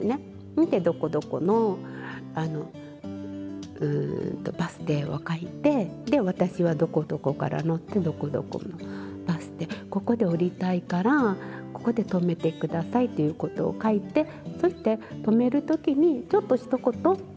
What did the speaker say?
見てどこどこのバス停を書いてで私はどこどこから乗ってどこどこのバス停ここで降りたいからここで止めて下さいっていうことを書いてそして止める時にちょっとひと言